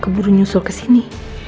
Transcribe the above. keburu nyusul kesini